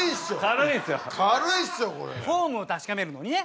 フォームを確かめるのにね。